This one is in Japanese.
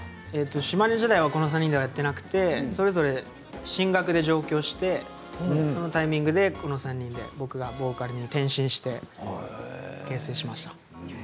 島根時代はこの３人でやってなくてそれぞれ進学で上京してそのタイミングで、この３人で僕がボーカルに転身して結成しました。